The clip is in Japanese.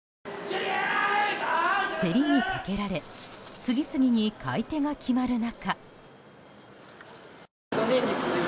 競りにかけられ次々に買い手が決まる中。